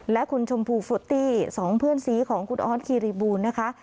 และคุณชมพูฟุตตี้สองเพื่อนซีของคุณออสคีรีบูลนะคะ